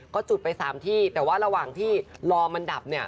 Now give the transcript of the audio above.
ก็จุดไป๓ที่แต่ว่าระหว่างที่รอมันดับเนี่ย